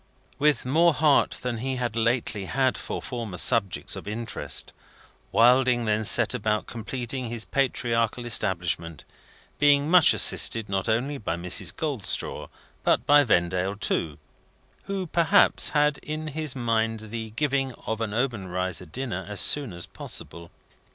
With more heart than he had lately had for former subjects of interest, Wilding then set about completing his patriarchal establishment, being much assisted not only by Mrs. Goldstraw but by Vendale too: who, perhaps, had in his mind the giving of an Obenreizer dinner as soon as possible.